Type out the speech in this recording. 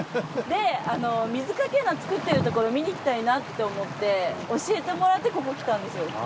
であの水かけ菜作ってるところ見に来たいなと思って教えてもらってここ来たんですよ。